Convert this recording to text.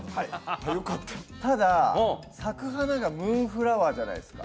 よかったただ咲く花がムーンフラワーじゃないですか